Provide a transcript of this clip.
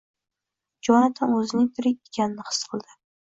Jonatan o‘zining tirik ekanini his qildi